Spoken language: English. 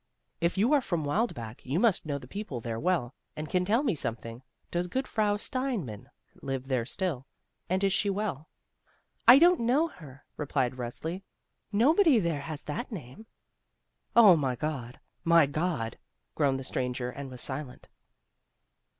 "If you are from Wildbach, you must know the people there well, and can tell me something. Does good Frau Steinmann live there still, and is she well?" "I don't know her," replied Resli. "Nobody there has that name." "Oh, my God! my God!" groaned the stran ger, and was silent.